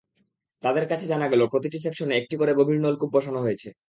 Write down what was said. তাঁদের কাছে জানা গেল, প্রতিটি সেকশনে একটি করে গভীর নলকূপ বসানো হয়েছে।